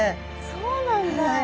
そうなんだ。